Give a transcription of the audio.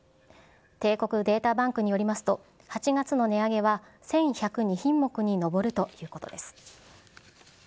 帝国データバンクによりますと、８月の値上げは１１０２品目に上るということです。